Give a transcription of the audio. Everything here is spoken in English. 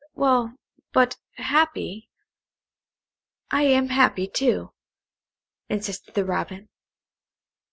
"Well, but happy; I am happy, too," insisted the Robin.